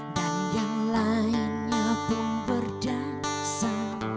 dan yang lainnya pun berdansa